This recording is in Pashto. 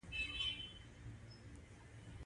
خو په کور کې د تور سرو شور ماشور وو.